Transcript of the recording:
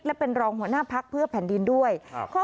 และเป็นรองหัวหน้าพักเพื่อแผ่นดินด้วย